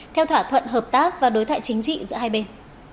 theo thỏa thuận hợp tác và đối thoại chính trị giữa hai bên